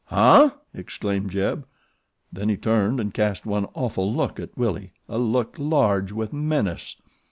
"Huh?" exclaimed Jeb. Then he turned and cast one awful look at Willie a look large with menace.